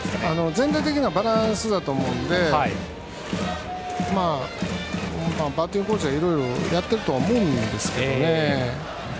全体的なバランスだと思うのでバッティングコーチがいろいろやってるとは思うんですけどね。